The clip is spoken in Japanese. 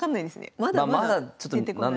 まだまだ出てこない？